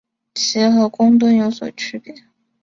其和公吨有所区别。